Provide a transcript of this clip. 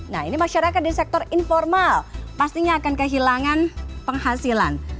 nah ini masyarakat di sektor informal pastinya akan kehilangan penghasilan